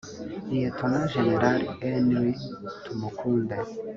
Lt Gen Henry Tumukunde